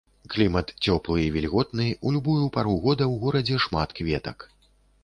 Клімат цёплы і вільготны, у любую пару года ў горадзе шмат кветак.